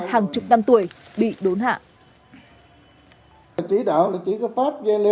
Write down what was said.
hàng chục năm tuổi bị đốn hạ